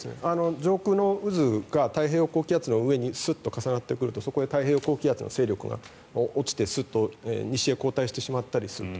上空の渦が太平洋高気圧の上にスッと重なってくるとそこで太平洋高気圧の勢力が落ちてスッと西へ後退してしまったりすると。